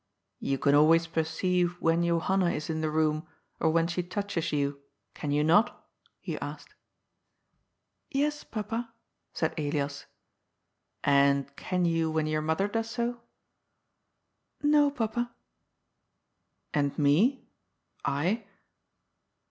^' You can always perceive when Johanna is in the room, or when she touches you, can you not? " he asked. " Yes, papa,'"' said Elias. "And can you when your mother does so?" " No, papa." " And me— I